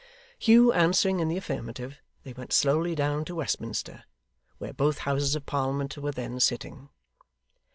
Hugh answering in the affirmative, they went slowly down to Westminster, where both houses of Parliament were then sitting.